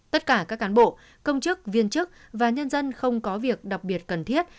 tất cả các cán bộ công chức viên chức và nhân dân không có việc đặc biệt cần thiết